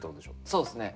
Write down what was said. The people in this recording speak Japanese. そうですね。